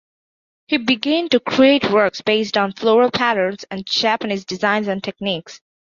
He began to create works based on floral patterns and Japanese designs and techniques.